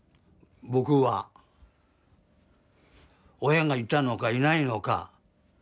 親がいたのかいないのか。